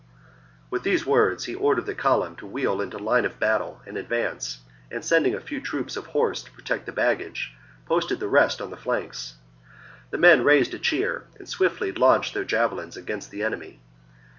With these words he ordered the column to wheel into line of battle and advance, and, sending a few troops of horse to protect the baggage, posted the rest on the flanks. The men raised a cheer and swiftly launched their javelins against the enemy.